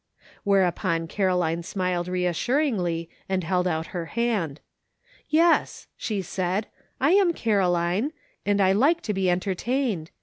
Whereupon Caroline smiled reassuringly and held out her hand. "Yes," she said, "I am Caroline, and I like to be entertained.